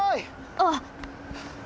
あっ。